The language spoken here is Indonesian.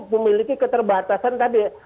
memiliki keterbatasan tadi